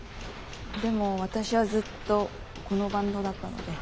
でも私はずっとこのバンドだったので。